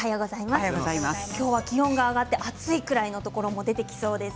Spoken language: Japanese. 今日は気温が上がって暑いくらいのところも出てきそうです。